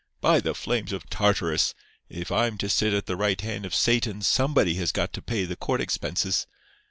By the flames of Tartarus! if I'm to sit at the right hand of Satan somebody has got to pay the court expenses.